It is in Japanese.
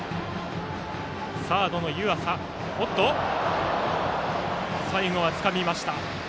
サードの湯浅最後はつかみました。